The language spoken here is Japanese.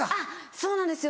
そうなんですよ。